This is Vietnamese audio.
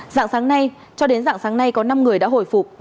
dạng sáng nay cho đến dạng sáng nay có năm người đã hồi phục